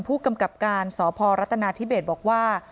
ผู้กำกับการสพรัฐนาธิเบศบอกว่า